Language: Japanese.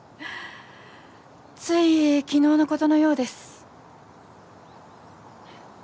つい昨日のことのようです。